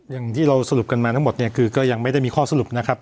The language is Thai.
อย่างที่เราสรุปกันมาทั้งหมดเนี่ยคือก็ยังไม่ได้มีข้อสรุปนะครับ